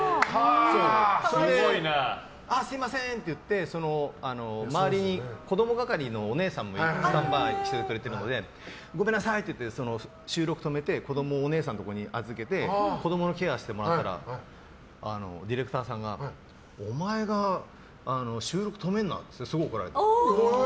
それで、すみませんって言って周りに子供係のお姉さんもスタンバイしてくれているのでごめんなさいって言って収録を止めて子供をお姉さんのところに預けて子供のケアしてもらったらディレクターさんがお前が収録止めんなって言ってすごい怒られて。